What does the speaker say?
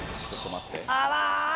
あら。